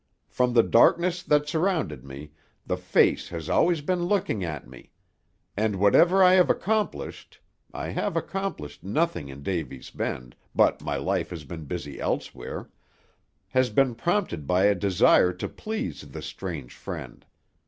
From the darkness that surrounded me, the face has always been looking at me; and whatever I have accomplished I have accomplished nothing in Davy's Bend, but my life has been busy elsewhere has been prompted by a desire to please this strange friend.